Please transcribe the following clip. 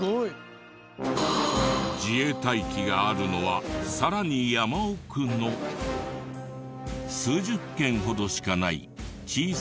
自衛隊機があるのはさらに山奥の数十軒ほどしかない小さな集落。